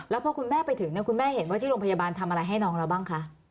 แล้วพอคุณแม่ไปถึงคุณแม่เห็นว่าที่โรงพยาบาลทำอะไรให้น้องเราบ้างคะ